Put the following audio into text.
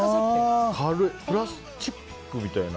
プラスチックみたいな。